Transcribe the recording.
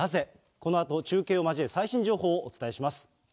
このあと、中継を交え、最新情報をお伝えします。